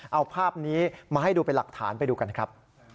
เอาภาพนี้มาให้ดูเป็นหลักฐานไปดูกันครับ